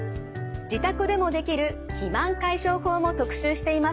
自宅でもできる肥満解消法も特集していますので是非ご参考に。